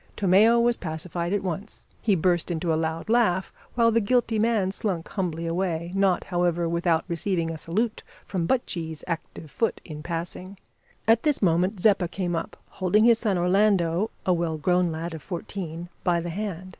Tomeo was pacified at once. He burst into a loud laugh, while the guilty man slunk humbly away, not, however, without receiving a salute from Buttchee's active foot in passing. At this moment Zeppa came up, holding his son Orlando, a well grown lad of fourteen, by the hand.